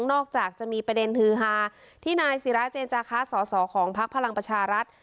จากจะมีประเด็นฮือฮาที่นายศิราเจนจาคะสอสอของพักพลังประชารัฐ